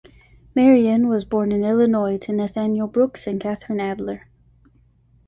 Marion was born in Illinois to Nathaniel Brooks and Catherine Adler.